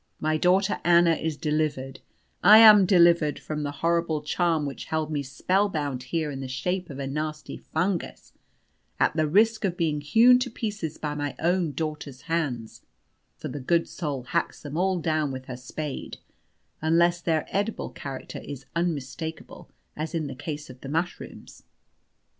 My daughter Anna is delivered I am delivered from the horrible charm which held me spellbound here in the shape of a nasty fungus, at the risk of being hewn to pieces by my own daughter's hands; for the good soul hacks them all down with her spade, unless their edible character is unmistakable, as in the case of the mushrooms.